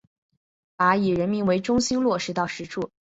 把以人民为中心落到实处